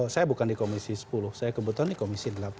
saya bukan di komisi sepuluh saya kebetulan di komisi delapan